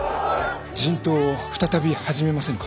人痘を再び始めませぬか？